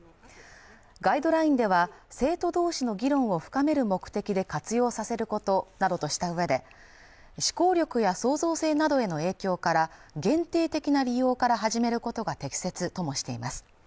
ガイドラインでは、生徒同士の議論を深める目的で活用させることなどとした上で、思考力や創造性などへの影響から、限定的な利用から始めることが適切ともしています。